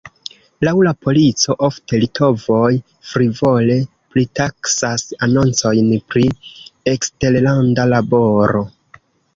Laŭ la polico, ofte litovoj frivole pritaksas anoncojn pri eksterlanda laboro.